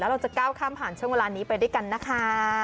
เราจะก้าวข้ามผ่านช่วงเวลานี้ไปด้วยกันนะคะ